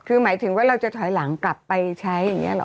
คือหมายถึงว่าเราจะถอยหลังกลับไปใช้อย่างนี้หรอ